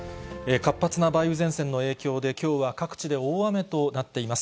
活発な梅雨前線の影響で、きょうは各地で大雨となっています。